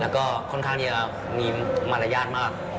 แล้วก็ค่อนข้างที่จะมีมารยาทมาก